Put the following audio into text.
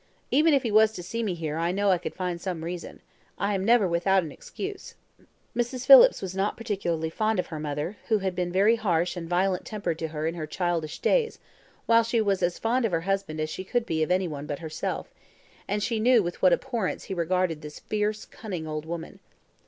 Even if he was to see me here, I know I could find some reason. I am never without an excuse." Mrs. Phillips was not particularly fond of her mother, who had been very harsh and violent tempered to her in her childish days, while she was as fond of her husband as she could be of any one but herself, and she knew with what abhorrence he regarded this fierce, cunning old woman.